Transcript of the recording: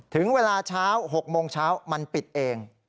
ถึงเวลาเช้า๖โมงเช้ามันปิดเอง